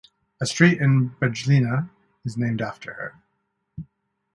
A street in Bijeljina is named after her.